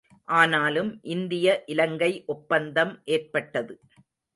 ஆனாலும் இந்திய இலங்கை ஒப்பந்தம் ஏற்பட்டது.